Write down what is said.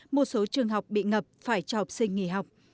một số trường học bị ngập phải cho học sinh nghỉ học